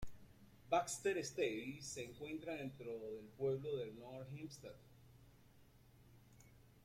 Baxter Estates se encuentra dentro del pueblo de North Hempstead.